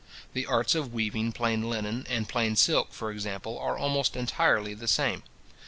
The arts of weaving plain linen and plain silk, for example, are almost entirely the same.